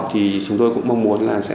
chúng tôi cũng mong muốn